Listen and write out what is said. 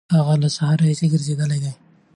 هغه له سهاره راهیسې ګرځېدلی دی.